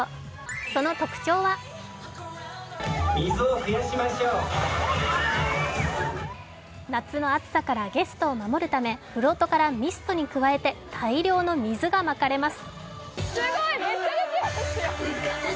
その特徴は夏の暑さからゲストを守るため、フロートからミストに加えて大量の水がまかれます。